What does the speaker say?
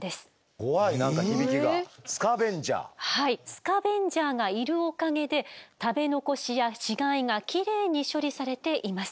スカベンジャーがいるおかげで食べ残しや死骸がキレイに処理されています。